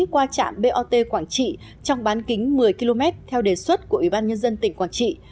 qua trạm bot quảng trị trong bán kính một mươi km theo đề xuất của ủy ban nhân dân tỉnh quảng trị